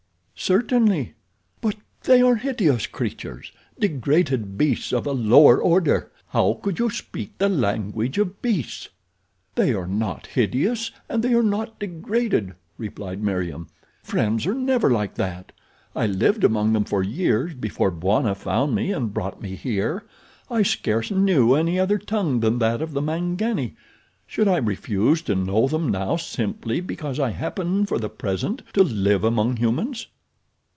"Certainly." "But they are hideous creatures—degraded beasts of a lower order. How could you speak the language of beasts?" "They are not hideous, and they are not degraded," replied Meriem. "Friends are never that. I lived among them for years before Bwana found me and brought me here. I scarce knew any other tongue than that of the mangani. Should I refuse to know them now simply because I happen, for the present, to live among humans?"